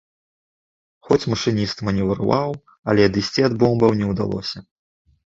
Хоць машыніст манеўраваў, але адысці ад бомбаў не ўдалося.